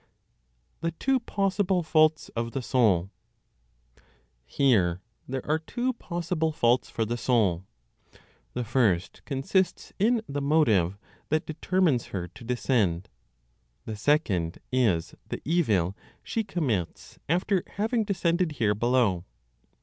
THE TWO POSSIBLE FAULTS OF THE SOUL. Here there are two possible faults for the soul. The first consists in the motive that determines her to descend. The second is the evil she commits after having descended here below.